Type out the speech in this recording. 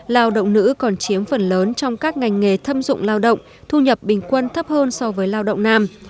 lao động nữ còn chiếm phần lớn trong các ngành nghề thâm dụng lao động thu nhập bình quân thấp hơn so với lao động nam